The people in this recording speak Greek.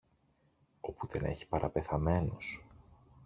όπου δεν έχει παρά πεθαμένους!